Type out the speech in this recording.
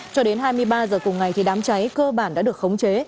cho đến hai mươi ba h cùng ngày đám cháy cơ bản đã được khống chế